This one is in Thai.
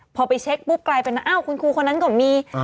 พอไปเช็คปุ๊บกลายเป็นอ้าวคุณครูคนนั้นก็มี